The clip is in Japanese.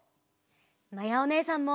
まやおねえさんも！